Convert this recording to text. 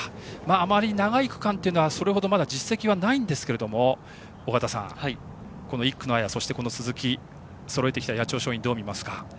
あまり長い区間というのはそれほど実績はないんですけども尾方さん、１区の綾そして鈴木とそろえてきた八千代松陰をどうみますか？